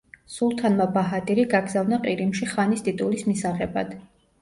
სულთანმა ბაჰადირი გაგზავნა ყირიმში ხანის ტიტულის მისაღებად.